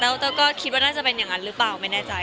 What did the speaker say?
แล้วก็คิดว่าน่าจะเป็นอย่างนั้นหรือเปล่าไม่แน่ใจ